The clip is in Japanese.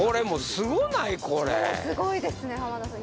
すごいですね浜田さん。